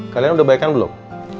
kalian udah baikan belum